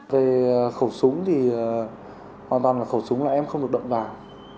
về khẩu súng thì hoàn toàn là khẩu súng là em không được động vào